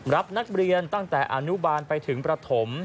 รับนักเรียนตั้งแต่อนุบาลไปถึงประถม